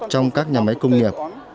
trong các nhà máy công nghiệp